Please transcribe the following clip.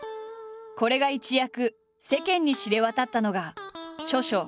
これが一躍世間に知れ渡ったのが著書